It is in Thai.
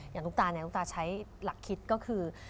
ตุ๊กตาเนี่ยตุ๊กตาใช้หลักคิดก็คือ